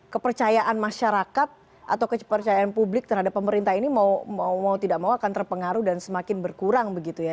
kepercayaan masyarakat atau kepercayaan publik terhadap pemerintah ini mau tidak mau akan terpengaruh dan semakin berkurang begitu ya